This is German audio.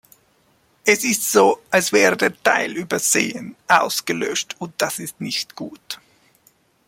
Es ist so, als wäre der Teil übersehen, ausgelöscht, und das ist nicht gut.